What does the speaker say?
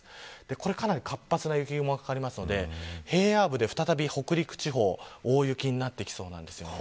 これは、かなり活発な雪雲なので平野部で再び、北陸地方大雪になってきそうなんですね。